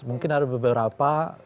mungkin ada beberapa